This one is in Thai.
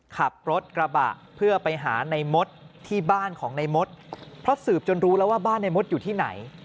ขับรถกระบะเพื่อไปหาในมดที่บ้านของในมดเพราะสืบจนรู้แล้วว่าบ้านในมดอยู่ที่ไหน